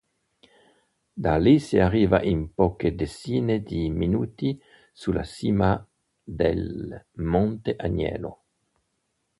Da lì si arriva in poche decine di minuti sulla cima del monte Agnello.